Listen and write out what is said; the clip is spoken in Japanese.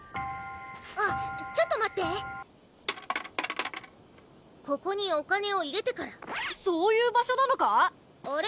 あっちょっと待ってここにお金を入れてからそういう場所なのか⁉あれ？